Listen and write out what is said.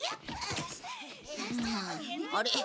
あれ？